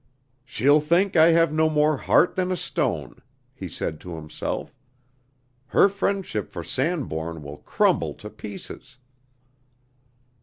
"She'll think I have no more heart than a stone," he said to himself. "Her friendship for Sanbourne will crumble to pieces."